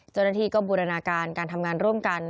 เจ้าหน้าที่ก็บูรณาการการทำงานร่วมกัน